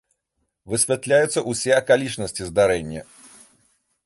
Высвятляюцца ўсе акалічнасці здарэння.